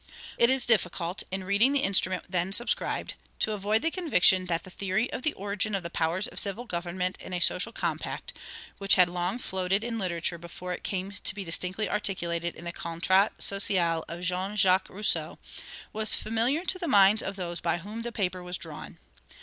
It is difficult, in reading the instrument then subscribed, to avoid the conviction that the theory of the origin of the powers of civil government in a social compact, which had long floated in literature before it came to be distinctly articulated in the "Contrat Social" of Jean Jacques Rousseau, was familiar to the minds of those by whom the paper was drawn.